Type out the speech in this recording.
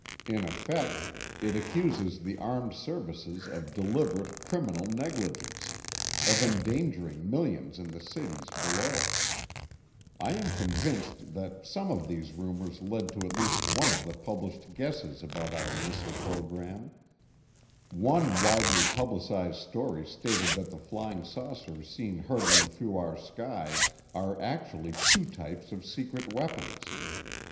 In effect, it accuses the armed services of deliberate, criminal negligence, of endangering millions in the cities below. I am convinced that some of these rumors led to at least one of the published guesses about our missile program. One widely publicized story stated that the flying saucers seen hurtling through our skies are actually two types of secret weapons.